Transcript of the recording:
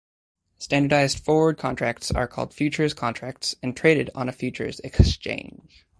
Standardized forward contracts are called futures contracts and traded on a futures exchange.